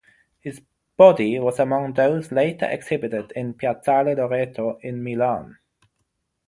His body was among those later exhibited in Piazzale Loreto in Milan.